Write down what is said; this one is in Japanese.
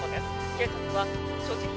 警察は所持品や。